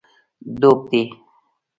ډوب دی